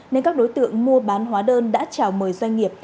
nên các đối tượng mua bán hóa đơn đã chào mời doanh nghiệp